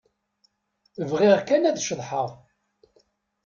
Bɣiɣ kan ad ceḍḥeɣ.